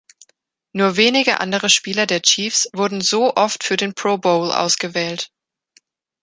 Nur wenige andere Spieler der Chiefs wurden so oft für den Pro Bowl ausgewählt.